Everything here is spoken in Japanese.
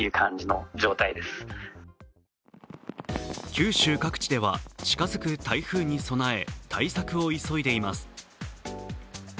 九州各地では、近づく台風に備え、対策を急いでいます。